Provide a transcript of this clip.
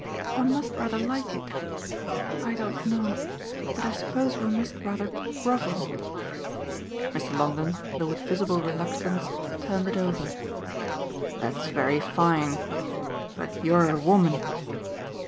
One must rather like it. I don't know but I suppose one must rather grovel." Mr. Longdon, though with visible reluctance, turned it over. "That's very fine but you're a woman."